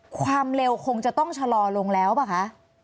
ความเร็วคงจะต้องชะลอลงแล้วป่ะคะ